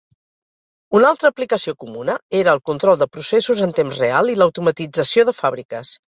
Una altra aplicació comuna era el control de processos en temps real i l'automatització de fàbriques.